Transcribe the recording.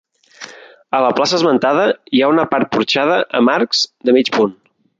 A la plaça esmentada hi ha una part porxada amb arcs de mig punt.